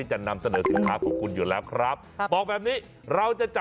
ใช่ค่ะฝากร้านกันได้แบบฟรีเลยนะจ๊ะ